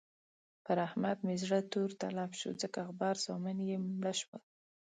پر احمد مې زړه تور تلب شو ځکه غبر زامن يې مړه شول.